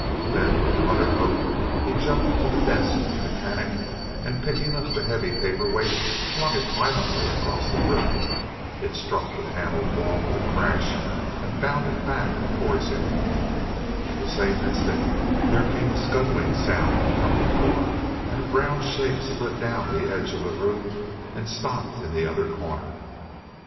Then with a muttered oath he jumped to the desk in a panic and picking up the heavy paper weight flung it violently across the room. It struck the panelled wall with a crash and bounded back towards him. At the same instant there came a scuttling sound from the floor, and a brown shape slid down the edge of the room and stopped in the other corner.